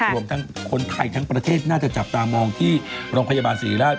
รวมทั้งคนไทยทั้งประเทศน่าจะจับตามองที่โรงพยาบาลศรีราช